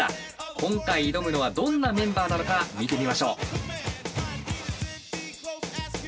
今回挑むのはどんなメンバーなのか見てみましょう。